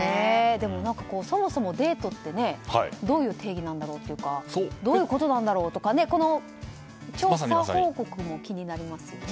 でも、そもそもデートってどういう定義なんだろうというかどういうことなんだろうとこの調査方法も気になりますよね。